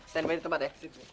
stand by di tempat ya